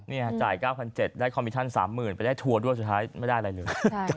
จ่าย๙๗๐๐ได้คอมมิชั่น๓๐๐๐ไปได้ทัวร์ด้วยสุดท้ายไม่ได้อะไรเลย